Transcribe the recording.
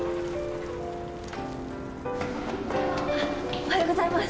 おはようございます。